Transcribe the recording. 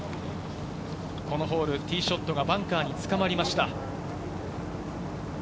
このホール、ティーショットがバンカーにつかまりました。